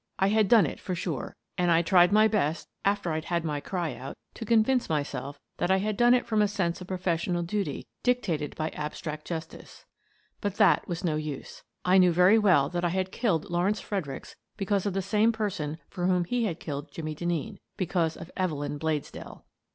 I had done it for sure, and I tried my best, afteV I'd had my cry out, to convince myself that I had done it from a sense of professional duty dictated by ab stract justice. But that was no use. I knew very well that I had killed Lawrence Fredericks because of the same person for whom he had killed Jimmie Denneen — because of Evelyn Bladesdell.